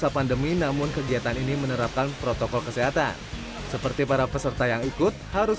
pandemi namun kegiatan ini menerapkan protokol kesehatan seperti para peserta yang ikut harus